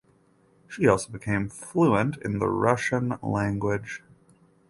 She also became fluent in the Russian language.